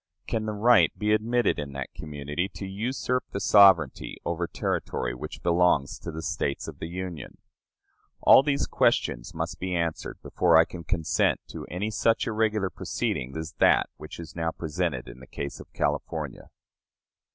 Can the right be admitted in that community to usurp the sovereignty over territory which belongs to the States of the Union? All these questions must be answered before I can consent to any such irregular proceeding as that which is now presented in the case of California.